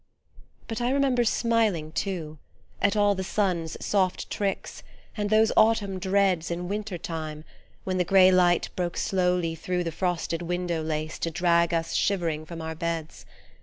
But I remember smiling too At all the sun's soft tricks and those Autumn dreads In winter time, when the grey light broke slowly through The frosted window lace to drag us shivering from our beds.